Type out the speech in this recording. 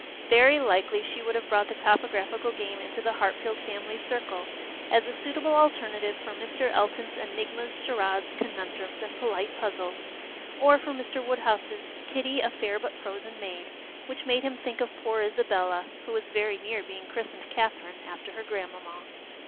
Very likely she would have brought the topographical game into the Hartfield family circle, as a suitable alternative for Mr. FJton's enigmas, ciiaradcs, conundrums, and polite puzzles, or for Mr. Woodhouscs " Kitty, a fair but frozen maid," which made him think of poor Isabella — who was very near being christened Catherine, after her grandmanuna.